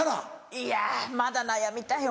いやまだ悩みたいよ